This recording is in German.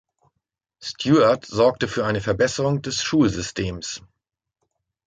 Stuart sorgte für eine Verbesserung des Schulsystems.